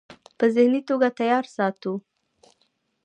پۀ ذهني توګه تيار ساتو -